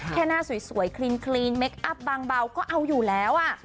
แค่หน้าสวยคลีนเมคอัพบางเบาก็เอาอยู่แล้ว